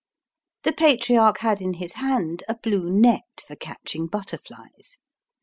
The Patriarch had in his hand a blue net for catching butterflies.